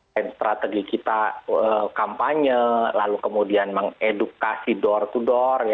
dan strategi kita kampanye lalu kemudian mengedukasi door to door